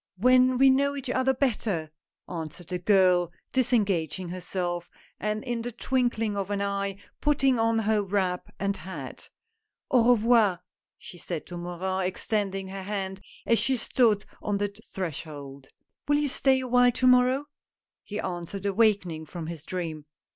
" When we know each other better," answered the girl, disengaging herself, and in the twinkling of an eye putting on her wrap and hat. " Au revoir !" she said to Morin, extending her hand as she stood on the threshold. "Will you stay a while to morrow?" he answered, awakening from his dream.